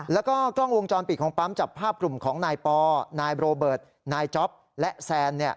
แล้วก็กล้องวงจรปิดของปั๊มจับภาพกลุ่มของนายปอนายโรเบิร์ตนายจ๊อปและแซน